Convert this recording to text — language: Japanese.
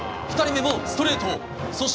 ２人目もストレート。